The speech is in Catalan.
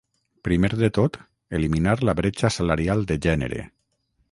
Primer de tot, eliminar la bretxa salarial de gènere.